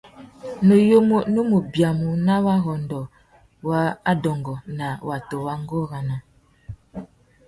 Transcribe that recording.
Nuyumú nú mù biamú nà warrôndô wa adôngô na watu wa ngôranô.